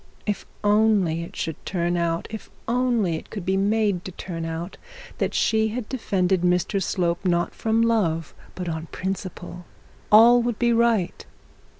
If only it should turn out, if only it could be made to turn out, that she had defended Mr Slope, not from love, but on principle, all would be right.